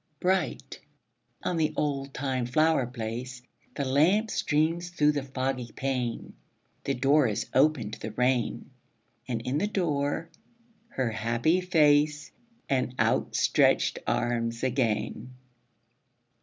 Bright on the oldtime flower place The lamp streams through the foggy pane; The door is opened to the rain: And in the door her happy face And outstretched arms again.